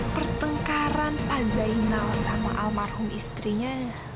pertengkaran al zainal sama almarhum istrinya